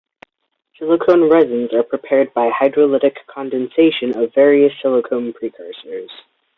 Silicone resins are prepared by hydrolytic condensation of various silicone precursors.